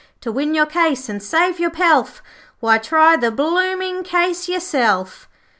To win your case, and save your pelf, Why, try the blooming case yourself!'